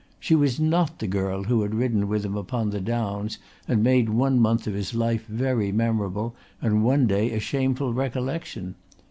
She was not the girl who had ridden with him upon the downs and made one month of his life very memorable and one day a shameful recollection.